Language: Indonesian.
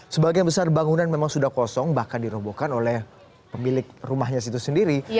sebagian besar bangunan memang sudah kosong bahkan dirobohkan oleh pemilik rumahnya itu sendiri